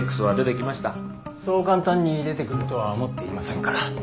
そう簡単に出てくるとは思っていませんから。